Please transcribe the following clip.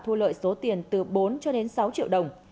thu lợi số tiền từ bốn sáu triệu đồng